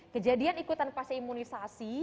kejadian ikutan vaksinasi imunisasi